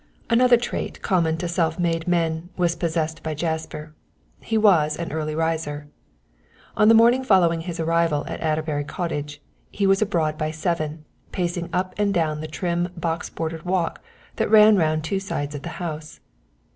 Another trait common to self made men was possessed by Jasper, he was an early riser. On the morning following his arrival at Adderbury Cottage he was abroad by seven, pacing up and down the trim box bordered walk that ran round two sides of the house.